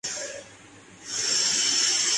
میں آپ کا بہت شکر گزار ہوں